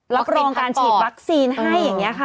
รับรองการฉีดวัคซีนให้